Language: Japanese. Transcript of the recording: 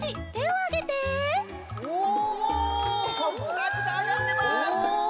たくさんあがってます。